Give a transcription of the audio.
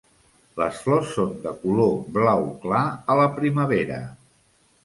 Les flors són de color blau clar a la primavera.